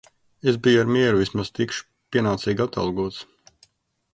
Es biju ar mieru, vismaz tikšu pienācīgi atalgots.